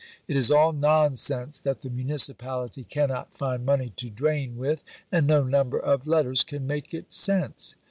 It is all nonsense that the Municipality cannot find money to drain with, and no number of letters can make it sense."